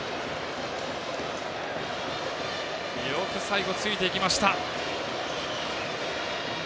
よく最後、ついていきました。